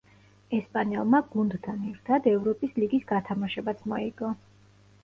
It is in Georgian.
ესპანელმა გუნდთან ერთად ევროპის ლიგის გათამაშებაც მოიგო.